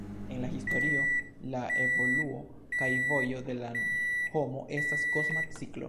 En la historio la evoluo kaj vojo de la homo estas kosma ciklo.